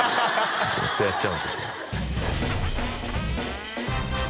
ずっとやっちゃうんですよ